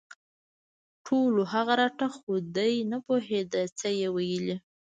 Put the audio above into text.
ټولو هغه رټه خو دی نه پوهېده څه یې ویلي